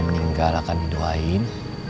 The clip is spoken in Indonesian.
meninggal akan diduain